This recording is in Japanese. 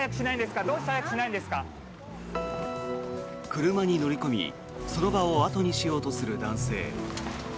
車に乗り込みその場を後にしようとする男性。